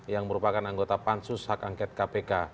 yang merupakan anggota pansus hak angket kpk